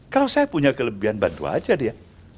kalau saya punya kelebihan bantu aja dia